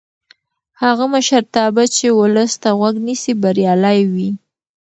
هغه مشرتابه چې ولس ته غوږ نیسي بریالی وي